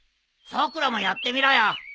さくらもやってみろよ。